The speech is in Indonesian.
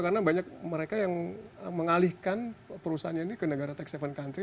karena banyak mereka yang mengalihkan perusahaannya ini ke negara tech seven country